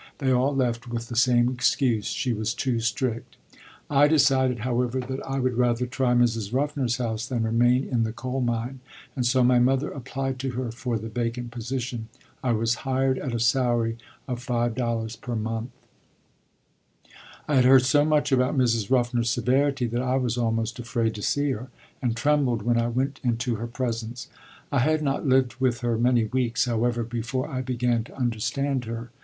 They all left with the same excuse: she was too strict. I decided, however, that I would rather try Mrs. Ruffner's house than remain in the coal mine, and so my mother applied to her for the vacant position. I was hired at a salary of $5 per month. I had heard so much about Mrs. Ruffner's severity that I was almost afraid to see her, and trembled when I went into her presence. I had not lived with her many weeks, however, before I began to understand her.